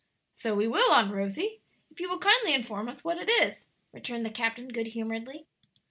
"So we will, Aunt Rosie, if you will kindly inform us what it is," returned the captain, good humoredly.